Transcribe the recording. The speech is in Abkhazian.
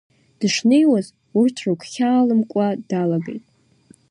Дышнеиуаз урҭ ргәхьаа лымкуа далагеит.